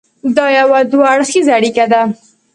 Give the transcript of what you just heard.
دا یو دوه اړخیزه اړیکه ده.